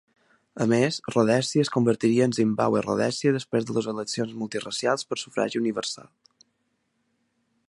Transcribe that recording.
A més, Rhodèsia es convertiria en Zimbàbue-Rhodèsia després de les eleccions multiracials per sufragi universal.